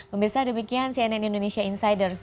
pemirsa demikian cnn indonesia insiders